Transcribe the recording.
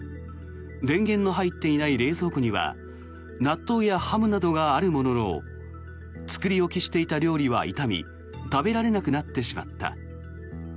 電源の入っていない冷蔵庫には納豆やハムなどがあるものの作り置きしていた料理は傷み食べられなくなってしまった。